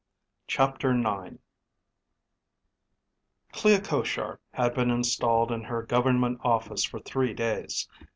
CHAPTER IX Clea Koshar had been installed in her government office for three days.